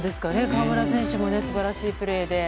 河村選手も素晴らしいプレーで。